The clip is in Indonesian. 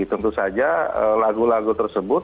tentu saja lagu lagu tersebut